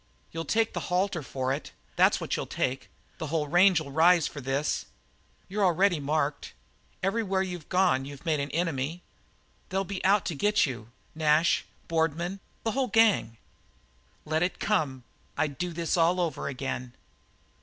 "You'll take a halter for it, that's what you'll take. The whole range'll rise for this. You're marked already. Everywhere you've gone you've made an enemy. They'll be out to get you Nash Boardman the whole gang." "Let 'em come. I'd do this all over again."